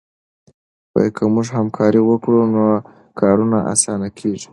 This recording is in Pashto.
که موږ همکاري وکړو نو کارونه اسانه کېږي.